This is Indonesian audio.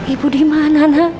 ibu dimana na